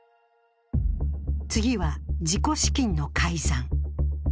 次は自己資金の改ざん。